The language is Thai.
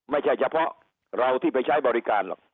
ไม่ใช่เฉพาะเราที่ไปใช้บริการหรอก